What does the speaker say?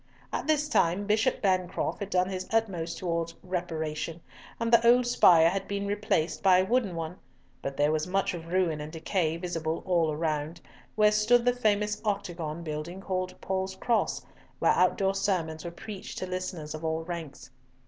At this time Bishop Bancroft had done his utmost towards reparation, and the old spire had been replaced by a wooden one; but there was much of ruin and decay visible all around, where stood the famous octagon building called Paul's Cross, where outdoor sermons were preached to listeners of all ranks.